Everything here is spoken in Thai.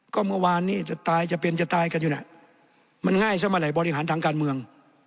ก็เมื่อวานนี้จะตายจะเป็นจะตายกันอยู่น่ะมันง่ายซะเมื่อไหร่บริหารทางการเมือง